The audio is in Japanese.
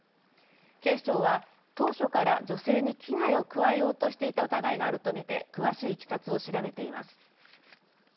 警視庁は当初から女性に危害を加えようとしていた疑いがあると見て詳しいいきさつを調べています。